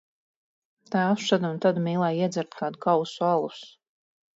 Tēvs šad un tad mīlēja iedzert kādu kausu alus.